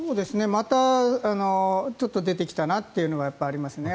またちょっと出てきたなっていうのがやっぱりありますね。